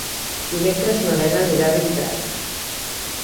Dimecres na Lena anirà a Bellprat.